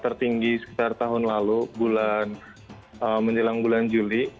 tertinggi sekitar tahun lalu menjelang bulan juli